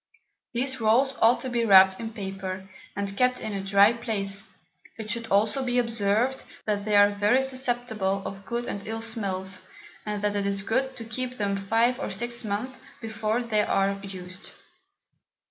These Rolls ought to be wrapped in Paper, and kept in a dry Place: it should also be observed, that they are very susceptible of good and ill Smells, and that it is good to keep them 5 or 6 Months before they are used.